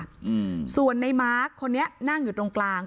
อืมส่วนในมาร์คคนนี้นั่งอยู่ตรงกลาง